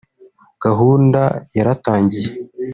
gahunda yaratangiye